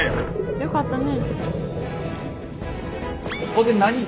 よかったね。